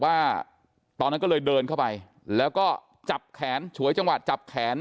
ว่าตอนนั้นก็เลยเดินเข้าไปแล้วก็จับแขนฉวยจังหวะจับแขน